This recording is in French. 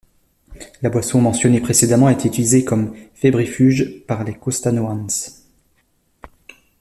La boisson mentionnée précédemment était utilisée comme fébrifuge par les Costanoans.